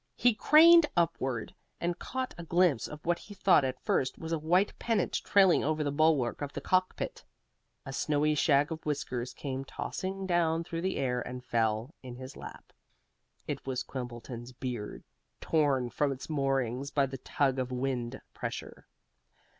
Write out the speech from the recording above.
He craned upward, and caught a glimpse of what he thought at first was a white pennant trailing over the bulwark of the cockpit. A snowy shag of whiskers came tossing down through the air and fell in his lap. It was Quimbleton's beard, torn from its moorings by the tug of wind pressure.